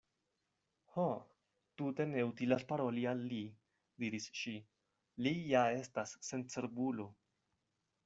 "Ho, tute ne utilas paroli al li," diris ŝi, "li ja estas sencerbulo.